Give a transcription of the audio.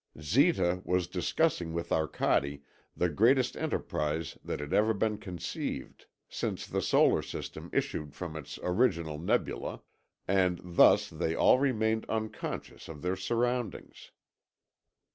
Zita was discussing with Arcade the greatest enterprise that had ever been conceived since the solar system issued from its original nebula, and thus they all remained unconscious of their surroundings.